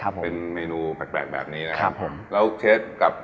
แบบแบบนี้นะครับแล้วเชฟกับ